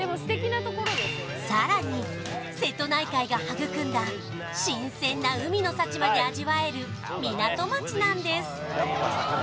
さらに瀬戸内海が育んだ新鮮な海の幸まで味わえる港町なんです